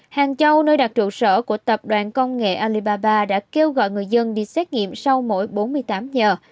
hàng châu nơi đặt trụ sở của tập đoàn công nghệ alibaba đã kêu gọi người dân đi xét nghiệm sau mỗi bốn mươi tám giờ